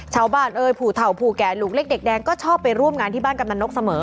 ชาวบ้านเอ่ยผูถ่าวผูแก่หลุกเล็กเด็กแดงก็ชอบไปร่วมงานที่บ้านกำหนังนกเสมอ